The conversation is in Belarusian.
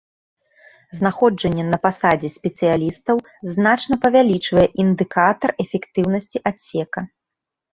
Знаходжанне на пасадзе спецыялістаў значна павялічвае індыкатар эфектыўнасці адсека.